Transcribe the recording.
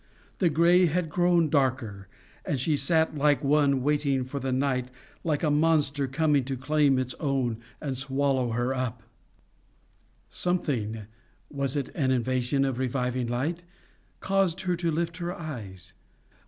The gray had grown darker, and she sat like one waiting for the night like a monster coming to claim its own and swallow her up. Something was it an invasion of reviving light? caused her to lift her eyes.